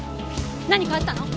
何かあったの？